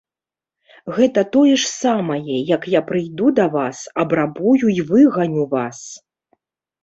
Гэта тое ж самае, як я прыйду да вас, абрабую і выганю вас.